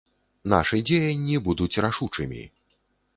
Нашы дзеянні будуць рашучымі.